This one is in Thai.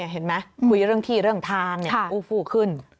เห็นไหมคุยเรื่องที่เรื่องทางอูฟูขึ้น